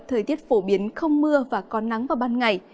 thời tiết phổ biến không mưa và có nắng vào ban ngày